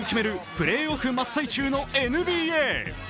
プレーオフ真っ最中のＮＢＡ。